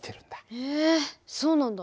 へえそうなんだ。